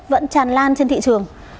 vẫn tràn lan trên thị trường